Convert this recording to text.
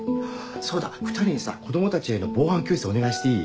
そうだ２人にさ子供たちへの防犯教室お願いしていい？